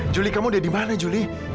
julie kamu udah dimana julie